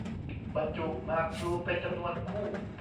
บรรจุหมากพลูเป็นจำนวนคู่